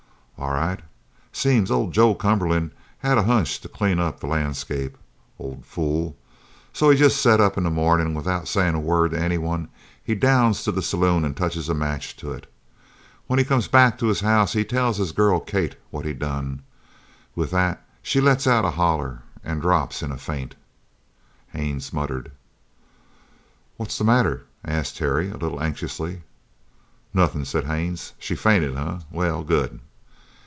"All right. Seems old Joe Cumberland had a hunch to clean up the landscape old fool! so he jest up in the mornin' an' without sayin' a word to any one he downs to the saloon and touches a match to it. When he come back to his house he tells his girl, Kate, what he done. With that she lets out a holler an' drops in a faint." Haines muttered. "What's the matter?" asked Terry, a little anxiously. "Nothin," said Haines. "She fainted, eh? Well, good!"